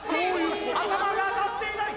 頭が当たっていない！